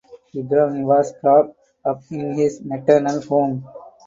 Ibrahim was brought up in his maternal home.